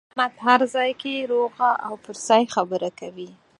احمد په هر ځای کې روغه او پر ځای خبره کوي.